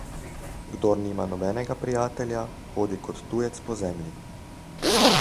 Kdor nima nobenega prijatelja, hodi kot tujec po zemlji.